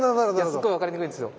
すっごい分かりにくいんですよ。